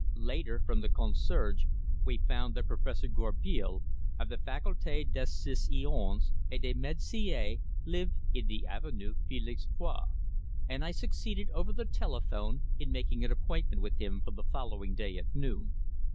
Later, from the concierge, we found that Professor Gourbeil of the Facultés des Sciences et de Médecine, lived in the Avenue Felix Faure, and I succeeded over the telephone in making an appointment with him for the following day at noon.